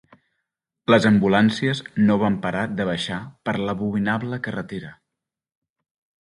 Les ambulàncies no van parar de baixar per l'abominable carretera